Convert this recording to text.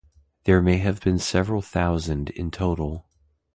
There may have been several thousand in total.